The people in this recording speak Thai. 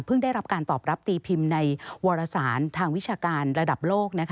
ได้รับการตอบรับตีพิมพ์ในวรสารทางวิชาการระดับโลก